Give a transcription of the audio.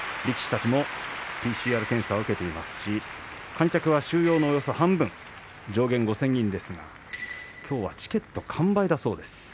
力士たちもＰＣＲ検査を受けていますし観客は収容のおよそ半分上限５０００人ですがきょうはチケット完売だそうです。